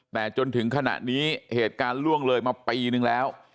แต่จนถึงขณะนี้เหตุการณ์ล่วงเลยมาปีนึงแล้ว